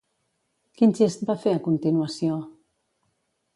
Quin gest va fer a continuació?